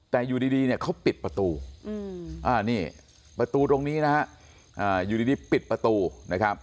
แต่อยู่ดีเนี่ยเขาปิดประตูนี่ประตูตรงนี้นะฮะอยู่ดีปิดประตูนะครับ